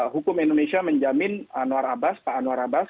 hukum indonesia menjamin pak anwar abbas